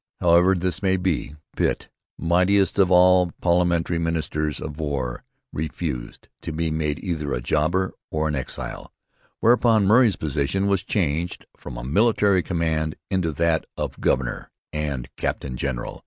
However this may be, Pitt, mightiest of all parliamentary ministers of war, refused to be made either a jobber or an exile; whereupon Murray's position was changed from a military command into that of 'Governor and Captain General.'